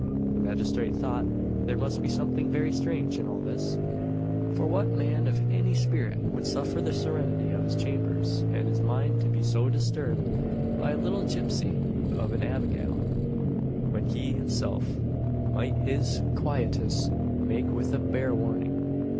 The magistrate thought there must be something very strange in all this; for what man of any spirit would suffer the serenity of his chambers and his mind to be so disturbed by a little gipsy of an Abigail, "when he himself might his quietus make with a bare warning."